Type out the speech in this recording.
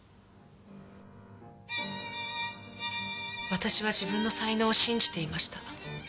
私は自分の才能を信じていました。